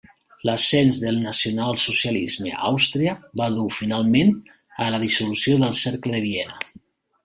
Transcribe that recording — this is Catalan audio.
L'ascens del nacionalsocialisme a Àustria va dur finalment a la dissolució del cercle de Viena.